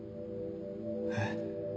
えっ？